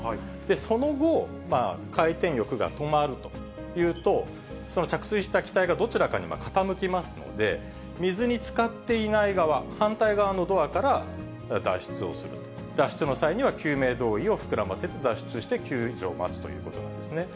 その後、回転翼が止まるというと、その着水した機体がどちらかに傾きますので、水につかっていない側、反対側のドアから脱出をすると、脱出の際には救命胴衣を膨らませて脱出して救助を待つということなんですね。